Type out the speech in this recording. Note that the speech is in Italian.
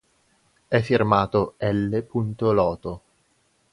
È firmato "L. Loto".